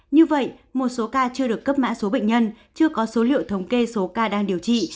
như vậy một số ca chưa được cấp mã số bệnh nhân chưa có số liệu thống kê số ca đang điều trị